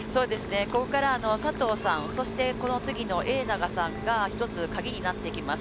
ここから佐藤さん、この次の永長さんが１つカギになってきます。